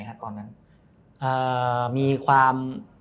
และมีความ